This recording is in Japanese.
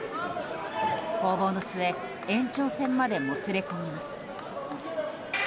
攻防の末延長戦までもつれ込みます。